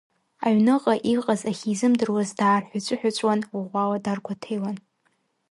Аҩныҟа иҟаз ахьизымдыруаз дарҳәыҵәыҳәыҵәуан, ӷәӷәала даргәаҭеиуан.